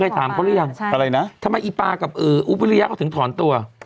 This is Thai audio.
ถามเขาหรือยังอะไรนะทำไมอีปากับอุ๊บวิริยะเขาถึงถอนตัว